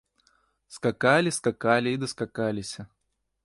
Скакалі, скакалі і даскакаліся.